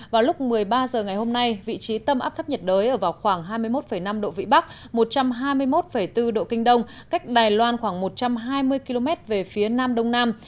vào lúc một mươi ba h ngày hôm nay vị trí tâm áp thấp nhiệt đới ở vào khoảng hai mươi một năm độ vĩ bắc một trăm hai mươi một bốn độ kinh đông cách đài loan khoảng một trăm hai mươi km về phía nam đông nam